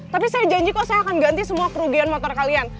tapi saya janji kok saya akan ganti semua kerugian motor kalian